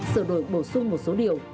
sửa đổi bổ sung một số điều